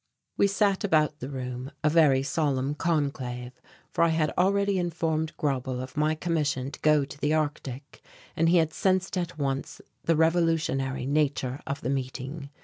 We sat about the room, a very solemn conclave, for I had already informed Grauble of my commission to go to the Arctic, and he had sensed at once the revolutionary nature of the meeting.